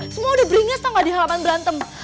semua udah bringnya setengah di halaman berantem